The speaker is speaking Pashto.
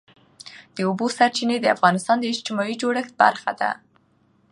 د اوبو سرچینې د افغانستان د اجتماعي جوړښت برخه ده.